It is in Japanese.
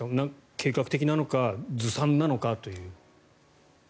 計画的なのかずさんなのかという。